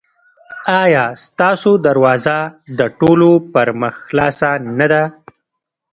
ایا ستاسو دروازه د ټولو پر مخ خلاصه نه ده؟